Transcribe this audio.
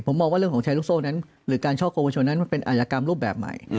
ผมมองว่าเรื่องของแชร์ลูกโซ่นั้นหรือการช่อกงวชนนั้นมันเป็นอายกรรมรูปแบบใหม่